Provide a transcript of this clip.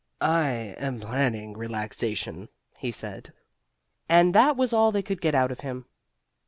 "I am planning relaxation," he said, and that was all they could get out of him.